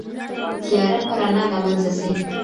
تياره په رڼا له منځه ځي.